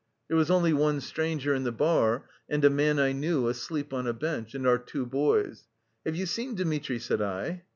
There was only one stranger in the bar and a man I knew asleep on a bench and our two boys. "Have you seen Dmitri?" said I.